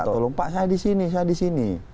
tolong pak saya di sini saya di sini